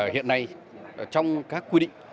hiện nay trong các quy định